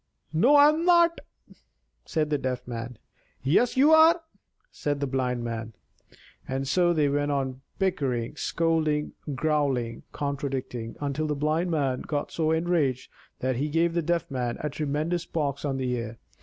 "No, I'm not," said the Deaf Man. "Yes, you are," said the Blind Man; and so they went on bickering, scolding, growling, contradicting, until the Blind Man got so enraged that he gave the Deaf Man a tremendous box on the ear.